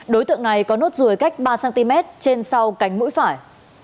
đối tượng này có nốt ruồi cách ba cm trên sau cánh mũi phải